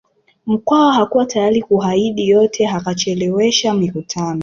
Mkwawa hakuwa tayari kuahidi yote akachelewesha mikutano